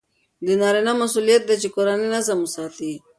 د نارینه مسئولیت دی چې کورنی نظم وساتي.